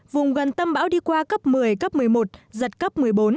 vùng gần tâm bão đi qua cấp một mươi cấp một mươi một giật cấp một mươi bốn